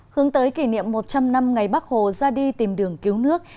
hướng tới kỷ niệm một trăm linh năm ngày bắc hồ ra đi tìm đường cứu nước